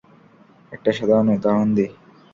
একটা সাধারণ উদাহরণ দিই।